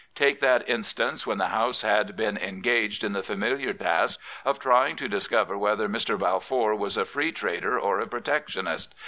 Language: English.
Take that instance when the Souse had been engaged in the familiar task of trying :o discover whether Mr. Balfour was a Free Trader )r a Protectionist.